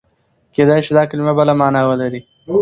کېدای شي دا کلمه بله مانا ولري.